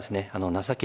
情け